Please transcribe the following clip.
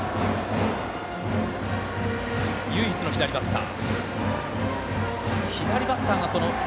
唯一の左バッター。